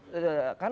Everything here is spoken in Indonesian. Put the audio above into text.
jadi itu kan